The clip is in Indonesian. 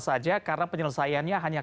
saja karena penyelesaiannya hanya